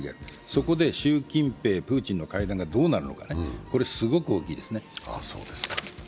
そこで習近平、プーチンの会談がどうなるのか、これすごく大きいですね。